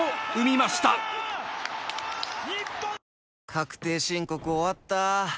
確定申告終わった。